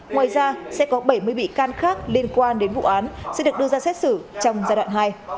ngoài ra sẽ có bảy mươi bị can khác liên quan đến vụ án sẽ được đưa ra xét xử trong giai đoạn hai